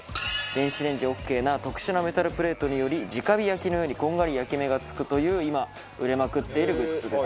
電子レンジオーケーな特殊なメタルプレートにより直火焼きのようにこんがり焼き目がつくという今売れまくっているグッズです。